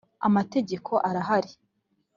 Amategeko arahari.